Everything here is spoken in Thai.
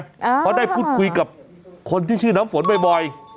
เพราะได้พูดคุยกับคนที่ชื่อน้ำฝนบ่อย